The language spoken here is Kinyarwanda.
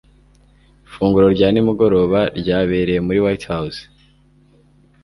ifunguro rya nimugoroba ryabereye muri white house